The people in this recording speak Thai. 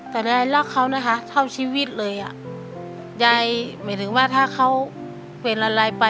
แต่ยายรักเขานะคะเท่าชีวิตเลยอ่ะยายหมายถึงว่าถ้าเขาเป็นอะไรไป